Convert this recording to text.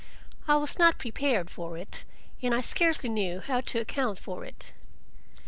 I was not prepared for it, and I scarcely knew how to account for it.